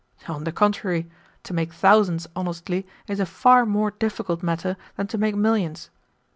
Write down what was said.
"On the contrary, to make thousands honestly is a far more difficult matter than to make millions.